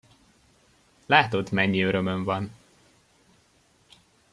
Látod, mennyi örömöm van!